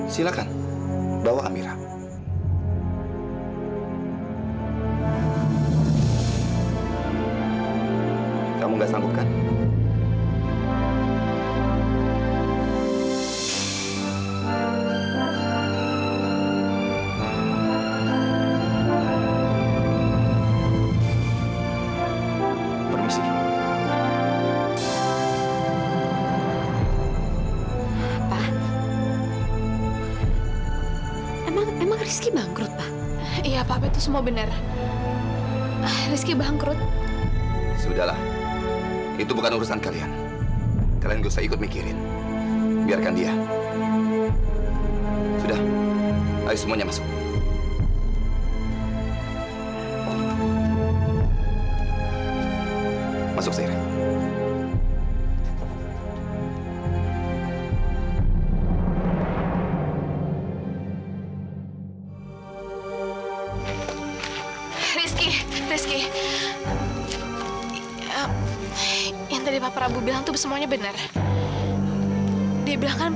sampai jumpa di video selanjutnya